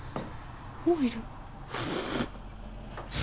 もういる。